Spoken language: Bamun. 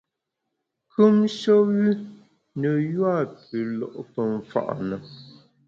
Kùmshe wü ne yua pü lo’ pe mfa’ na.